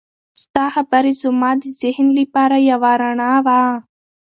ستا خبرې زما د ذهن لپاره یو رڼا وه.